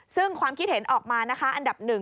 ซึ่งความคิดเห็นออกมานะคะอันดับหนึ่ง